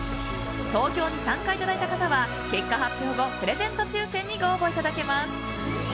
投票に参加いただいた方は結果発表後プレゼント抽選にご応募いただけます。